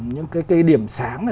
những cái điểm sáng